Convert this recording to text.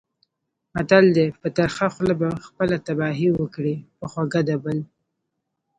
متل دی: په ترخه خوله به خپله تباهي وکړې، په خوږه د بل.